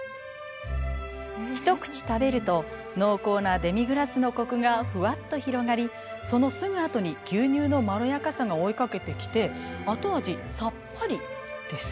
一口食べると濃厚なデミグラスのコクがふわっと広がりそのすぐあとに牛乳のまろやかさが追いかけてきて後味さっぱりです。